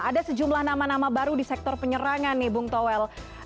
ada sejumlah nama nama baru di sektor penyerangan nih bung toel